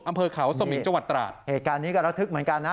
อำเภอเขาสมิงจังหวัดตราดเหตุการณ์นี้ก็ระทึกเหมือนกันนะ